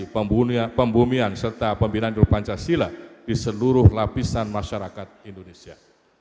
pembunyian serta pembinan diri pancasila di seluruh lapisan masyarakat indonesia